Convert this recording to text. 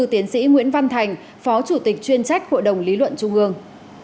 tiến sĩ nguyễn văn thành phó chủ tịch chuyên trách hội đồng lý luận trung ương